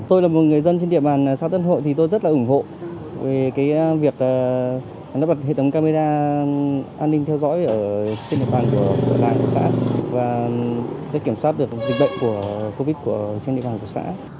tôi là một người dân trên địa bàn xã tân hội thì tôi rất là ủng hộ về việc nó bật hệ thống camera an ninh theo dõi trên địa bàn của lại của xã và sẽ kiểm soát được dịch bệnh của covid trên địa bàn của xã